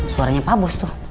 suaranya pak bos tuh